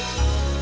kamu mau pusing